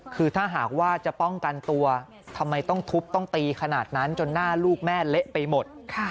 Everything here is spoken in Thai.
คือถ้าหากว่าจะป้องกันตัวทำไมต้องทุบต้องตีขนาดนั้นจนหน้าลูกแม่เละไปหมด